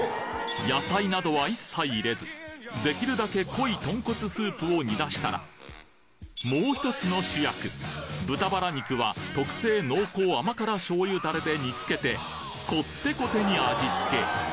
野菜などは一切入れずできるだけ濃い豚骨スープを煮出したらもう１つの主役豚バラ肉は特製濃厚甘辛醤油ダレで煮つけてこってこてに味付け！